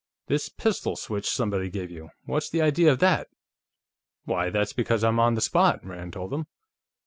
This pistol switch somebody gave you; what's the idea of that?" "Why, that's because I'm on the spot," Rand told him.